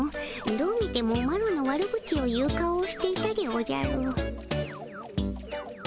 どう見てもマロの悪口を言う顔をしていたでおじゃる。